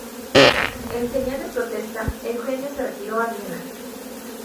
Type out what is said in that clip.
En señal de protesta, Eugenio se retiró a Viena.